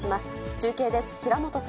中継です。